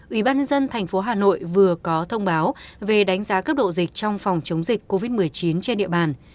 ủy ban nhân dân tp hà nội vừa có thông báo về đánh giá cấp độ dịch trong phòng chống dịch covid một mươi chín trên địa bàn